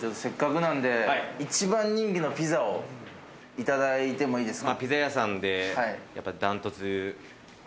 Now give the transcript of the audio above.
せっかくなんで１番人気のピザをいただいてもいいですか？